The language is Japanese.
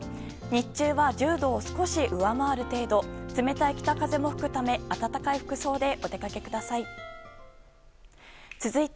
日中は１０度を少し上回る程度冷たい北風も吹くため暖かい服装でお出かけください。